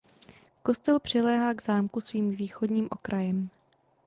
Kostel přiléhá k zámku svým východním okrajem.